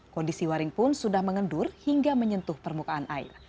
kondisi waring pun sudah mengendur hingga menyentuh permukaan air